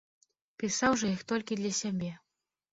Пісаў жа я іх толькі для сябе.